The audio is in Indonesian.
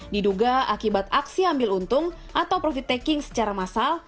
diduga akibat aksi ambil untung atau profit taking secara massal